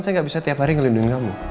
saya gak bisa tiap hari ngelindungi kamu